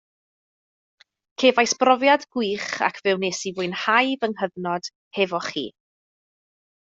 Cefais brofiad gwych ac fe wnes i fwynhau fy nghyfnod hefo chi